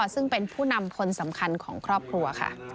ซึ่งเป็นผู้นำคนสำคัญของครอบครัวค่ะ